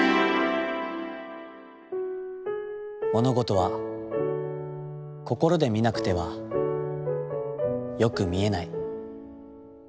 「ものごとは心で見なくては、よく見えない。